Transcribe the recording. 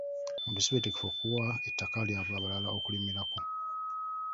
Abantu si beetegefu okuwa ettaka lyabwe abalala okulimirako.